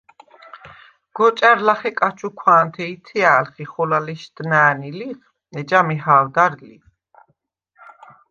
გოჭა̈რ ლახე კაჩუქვა̄ნთე ითჲა̄̈ლხ ი ხოლა ლეშდნა̄̈ნი ლიხ, ეჯა მეჰა̄ვდარ ლი.